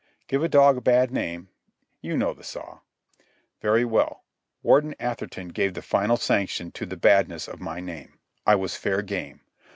Give a dog a bad name—you know the saw. Very well. Warden Atherton gave the final sanction to the badness of my name. I was fair game.